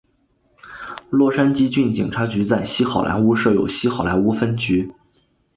洛杉矶郡警察局在西好莱坞设有西好莱坞分局。